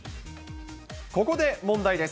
ここで問題です。